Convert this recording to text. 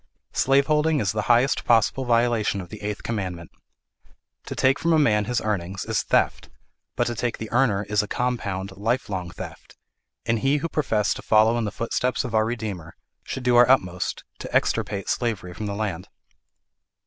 Slaveholding is the highest possible violation of the eighth commandment. To take from a man his earnings, is theft; but to take the earner is a compound, life long theft; and we who profess to follow in the footsteps of our Redeemer, should do our utmost to extirpate slavery from the land.